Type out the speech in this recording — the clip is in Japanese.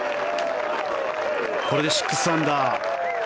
これで６アンダー。